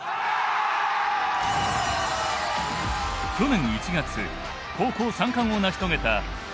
去年１月高校３冠を成し遂げた青森山田高校。